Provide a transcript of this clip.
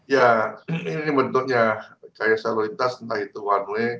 ya ini bentuknya rekayasa lalu lintas entah itu one way